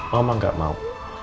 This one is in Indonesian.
mama gak mau